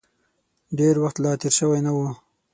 ډېر وخت لا تېر شوی نه و.